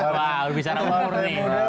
wah lebih sana uang murni